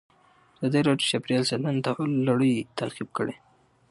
ازادي راډیو د چاپیریال ساتنه د تحول لړۍ تعقیب کړې.